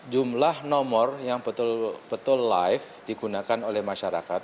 jumlah nomor yang betul betul live digunakan oleh masyarakat